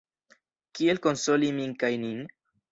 Kiel konsoli min kaj nin?